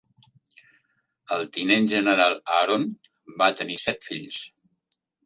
El tinent general Aaron va tenir set fills.